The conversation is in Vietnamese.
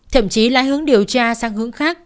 thậm chí lại hướng điều tra sang hướng khác